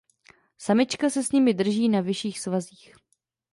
Samička se s nimi drží na vyšších svazích.